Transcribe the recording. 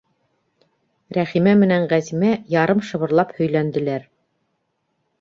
Рәхимә менән Ғәзимә ярым шыбырлап һөйләнделәр: